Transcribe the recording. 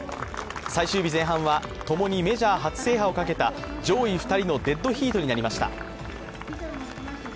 最終日前半はともにメジャー初制覇をかけた上位２人のデッドヒートになりました。